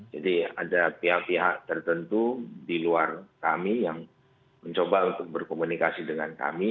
jadi ada pihak pihak tertentu di luar kami yang mencoba untuk berkomunikasi dengan kami